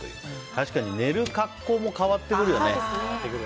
確かに寝る格好も変わってくるよね。